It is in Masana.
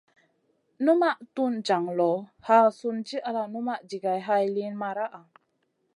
Numaʼ tun jaŋ loʼ, haa sùn di ala numaʼ jigay hay liyn maraʼa.